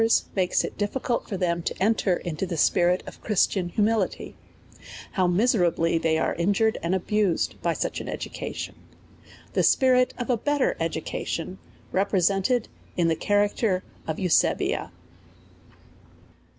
*, makes it difficnltfor them to enter into the spirit of Christian humilitj/. How miser abbj they are in jured and abused hy such an Education. The spirit of a better Education represented in the Cha racter oyEusebia.